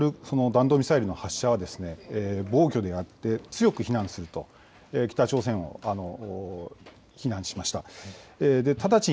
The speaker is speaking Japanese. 北朝鮮によるたび重なる弾道ミサイルの発射は暴挙であって、強く非難すると、北朝鮮を非難しました。